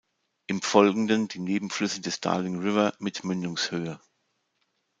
Im Folgenden die Nebenflüsse des Darling River mit Mündungshöhe.